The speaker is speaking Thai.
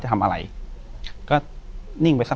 อยู่ที่แม่ศรีวิรัยยิวยวลครับ